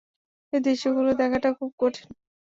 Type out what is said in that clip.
এই দৃশ্যগুলো দেখাটা খুব কঠিন।